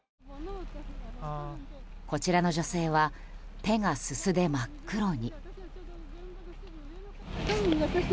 こちらの女性は手が、すすで真っ黒に。